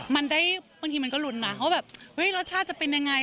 มันได้บางทีมันก็หลุนนะเพราะว่ารสชาติจะเป็นอย่างไร